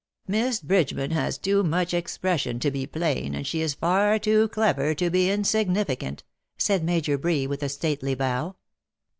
" Miss Bridgeman has too much expression to be plain, and she is far too clever to be insignificant/' said Major Bree, with a stately bow.